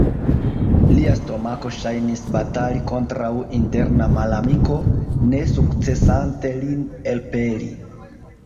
Lia stomako ŝajnis batali kontraŭ interna malamiko, ne sukcesante lin elpeli.